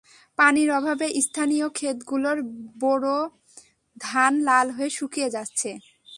পানির অভাবে স্থানীয় খেতগুলোর বোরো ধান লাল হয়ে শুকিয়ে যাচ্ছে।